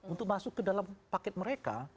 untuk masuk ke dalam paket mereka